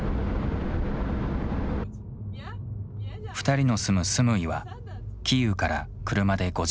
２人の住むスムイはキーウから車で５時間。